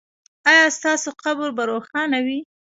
ایا ستاسو قبر به روښانه وي؟